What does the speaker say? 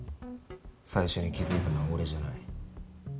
最初に気付いたのは俺じゃない。